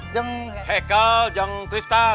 yang heikal yang tristan